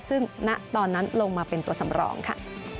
ซึ่งณตอนนั้นลงมาเป็นตัวสำรองค่ะ